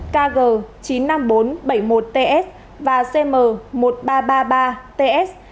kg chín mươi năm nghìn bốn trăm bảy mươi một ts và cm một nghìn ba trăm ba mươi ba ts